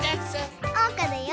おうかだよ！